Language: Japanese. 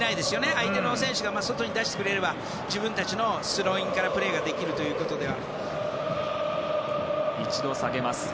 相手の選手が外に出してくれれば自分たちのスローインからプレーができるということでは。